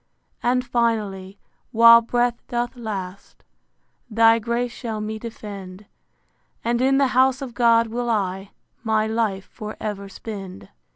And finally, while breath doth last, Thy grace shall me defend: And in the house of God will I My life for ever spend.